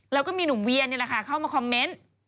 แล้วก็มีหนุ่มเวียนี่แหละค่ะเข้ามาคอมเมนต์